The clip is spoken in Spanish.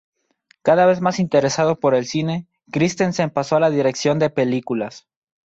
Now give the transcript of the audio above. Cada vez más interesado por cine, Christensen pasó a la dirección de películas.